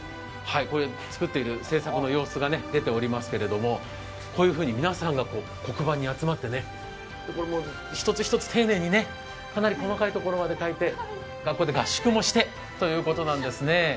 作っている制作の様子が出ておりますけども、こういうふうに皆さんが黒板に集まって一つ一つ丁寧に、かなり細かいところまで描いて学校で合宿もしてということなんですよね。